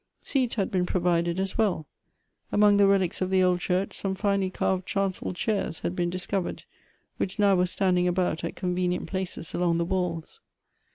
Seats had been provided as well. Among the relics of the old church some finely carved chancel chairs had been discovered, which now were standing about at con venient places along the walls.